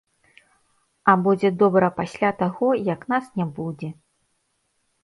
А будзе добра пасля таго, як нас не будзе.